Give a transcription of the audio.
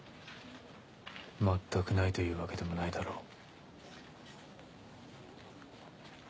全くないというわけでもないだろう。